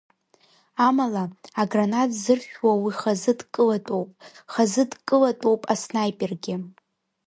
Амала, агранат зыршәуа уи хазы дкылатәоуп, хазы дкылатәоуп аснаипергьы.